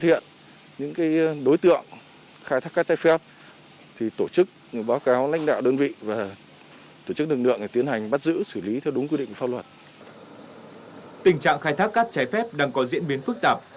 tình trạng khai thác cát trái phép đang có diễn biến phức tạp